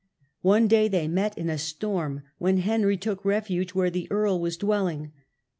One day they met in a storm, when Henry took refuge where the earl was dwelling.